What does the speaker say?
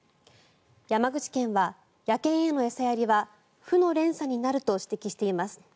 山口県は野犬への餌やりは負の連鎖になると指摘しています。